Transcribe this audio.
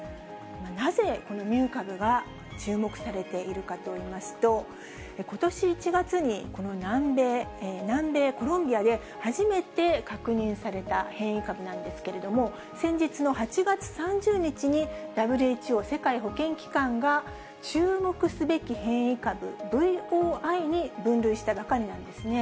なぜ、このミュー株が注目されているかといいますと、ことし１月に、南米コロンビアで初めて確認された変異株なんですけれども、先日の８月３０日にＷＨＯ・世界保健機関が、注目すべき変異株・ＶＯＩに分類したばかりなんですね。